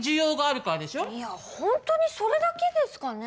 いや本当にそれだけですかね？